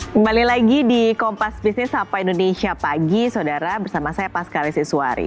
kembali lagi di kompas bisnis apa indonesia pagi saudara bersama saya paskaris iswari